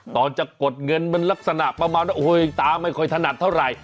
ตอนจะกดเงินมันลักษณะประมาณว่าตาไม่ค่อยถนัดเท่าไหร่